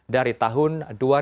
dari tahun dua ribu dua